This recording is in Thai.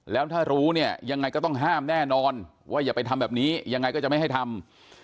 แล้วถ้ารู้เนี่ยยังไงก็ต้องห้ามแน่นอนว่าอย่าไปทำแบบนี้ยังไงก็จะไม่ให้ทำ